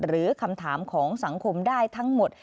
หรือคำถามของสังคมได้ทั้งหมด